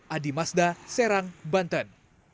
adi mazda serang banten